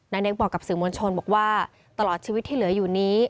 เนคบอกกับสื่อมวลชนบอกว่าตลอดชีวิตที่เหลืออยู่นี้